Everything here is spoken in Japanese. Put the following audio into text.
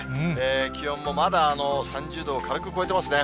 気温もまだ３０度を軽く超えてますね。